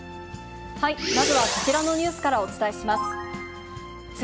まずはこちらのニュースからお伝えします。